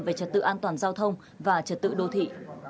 về trật tự an toàn giao thông và trật tự đô thị